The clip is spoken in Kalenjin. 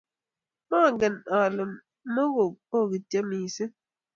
Mangen ale muku kibokityon mising